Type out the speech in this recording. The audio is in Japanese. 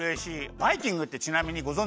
バイキングってちなみにごぞんじですか？